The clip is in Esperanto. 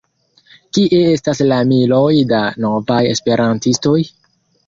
Kie estas la miloj da novaj esperantistoj?